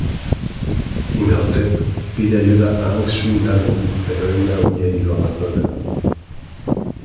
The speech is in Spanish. Imhotep pide ayuda a Anck-Su-Namun pero ella huye y lo abandona.